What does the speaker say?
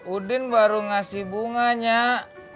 udin baru ngasih bunga nyak